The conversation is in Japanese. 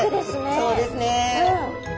そうですね。